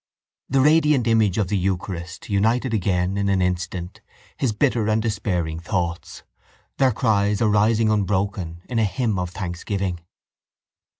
The radiant image of the eucharist united again in an instant his bitter and despairing thoughts, their cries arising unbroken in a hymn of thanksgiving.